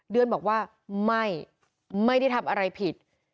เดือนบอกว่าไม่ไม่ได้ทำอะไรผิด